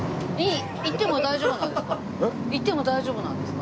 行っても大丈夫なんですか？